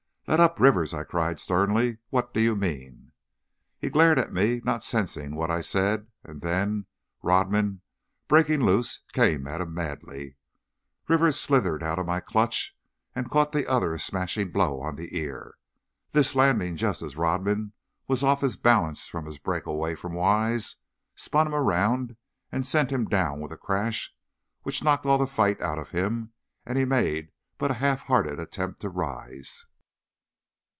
"Let up, Rivers!" I cried, sternly; "what do you mean?" He glared at me, not sensing what I said, and then, Rodman, breaking loose, came at him madly, Rivers slithered out of my clutch and caught the other a smashing blow on the ear. This, landing just as Rodman was off his balance from his break away from Wise, spun him around and sent him down with a crash which knocked all the fight out of him, and he made but a half hearted attempt to rise.